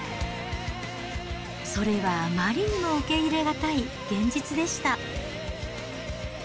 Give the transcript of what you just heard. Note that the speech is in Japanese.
それはあまりにも受け入れがたい現実でした。